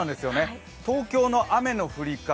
東京の雨の降り方